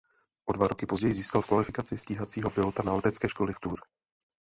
O dva roky později získal kvalifikaci stíhacího pilota na letecké škole v Tours.